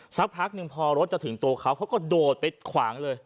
สักพักหนึ่งพอรถจะถึงตัวเขาเขาก็โดดไปขวางเลย